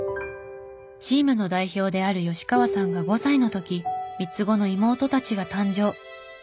チームの代表である吉川さんが５歳の時三つ子の妹たちが誕生。